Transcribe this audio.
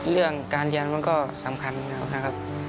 เรื่องการเรียนมันก็สำคัญครับนะครับ